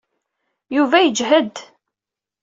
Yuba yejhed.